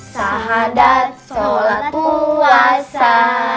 sahadat sholat puasa